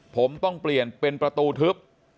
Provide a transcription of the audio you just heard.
ผมต้องเปลี่ยนเป็นประตูทึบ